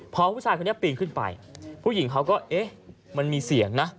พอผู้ชายคนนี้ปีนขึ้นไปผู้หญิงเขาก็เอ๊ะมันมีเสียงนะ